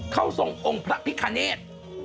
เข้าทรงองค์พระพิษชาเนส